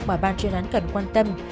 mà ban truyền án cần quan tâm